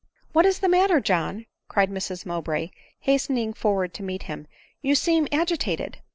" What is the matter, John ?" cried Mrs Mowbray, hastening forward to meet him —" you seem agitated."